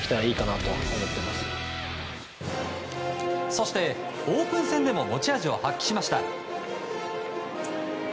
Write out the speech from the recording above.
そして、オープン戦でも持ち味を発揮しました。